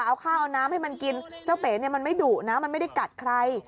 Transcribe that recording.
เอาข้าวเอาน้ำให้มันกินเจ้าเป๋เนี่ยมันไม่ดุนะมันไม่ได้กัดใคร